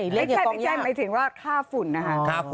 ไม่ใช่ไม่ใช่หมายถึงว่าค่าฝุ่นนะคะ